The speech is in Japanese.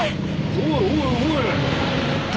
おいおいおい！